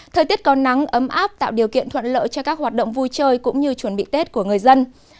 thời tiết có nắng ấm áp tạo điều kiện thuận lợi cho các hoạt động vui chơi cũng như chuẩn bị tết của người dân